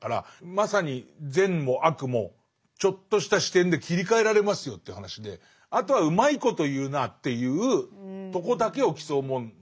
まさに善も悪もちょっとした視点で切り替えられますよという話であとはうまいこと言うなあっていうとこだけを競うもんなんだけど。